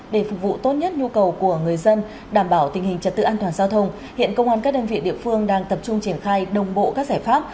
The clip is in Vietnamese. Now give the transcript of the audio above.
để phục vụ tốt nhất nhu cầu của người dân đảm bảo tình hình trật tự an toàn giao thông hiện công an các đơn vị địa phương đang tập trung triển khai đồng bộ các giải pháp